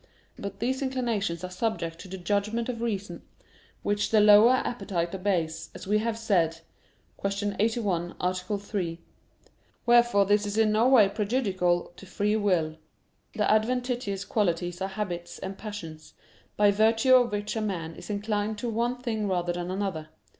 But these inclinations are subject to the judgment of reason, which the lower appetite obeys, as we have said (Q. 81, A. 3). Wherefore this is in no way prejudicial to free will. The adventitious qualities are habits and passions, by virtue of which a man is inclined to one thing rather than to another.